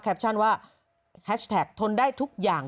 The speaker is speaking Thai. ว่าแฮชแท็กทนได้ทุกอย่าง